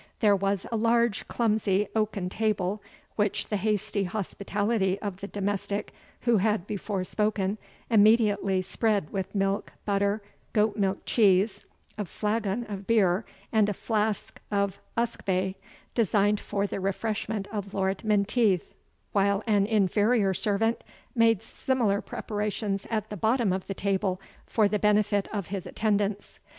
There was a large clumsy oaken table, which the hasty hospitality of the domestic who had before spoken, immediately spread with milk, butter, goat milk cheese, a flagon of beer, and a flask of usquebae, designed for the refreshment of Lord Menteith; while an inferior servant made similar preparations at the bottom of the table for the benefit of his attendants.